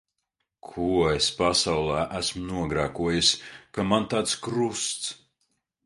Ko es pasaulē esmu nogrēkojusi, ka man tāds krusts.